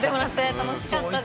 楽しかったです。